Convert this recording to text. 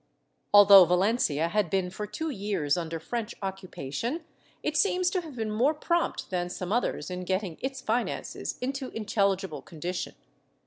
Although Valencia had been for two years under French occupa tion, it seems to have been more prompt than some others in getting its finances into intelligible condition.